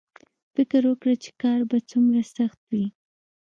فکر وکړه چې کار به څومره سخت وي